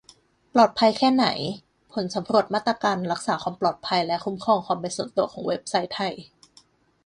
ปลอดภัยแค่ไหน ? : ผลสำรวจมาตรการรักษาความปลอดภัยและคุ้มครองความเป็นส่วนตัวของเว็บไซต์ไทย